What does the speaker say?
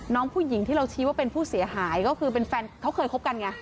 น้องผู้หญิงที่เราชี้ว่าเป็นผู้เสียหายก็คือเป็นแฟนเขาเคยคบกันไง